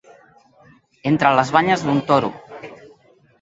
Entre les banyes d'un toro.